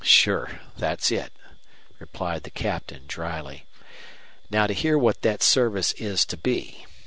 "Sure. That's it," replied the Captain, dryly. "Now to hear what that service is to be.